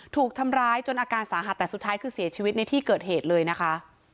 ถูกทำร้ายจนอาการสาหัสแต่สุดท้ายคือเสียชีวิตในที่เกิดเหตุเลยนะคะ